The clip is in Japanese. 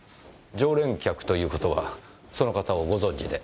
常連客ということはその方をご存じで？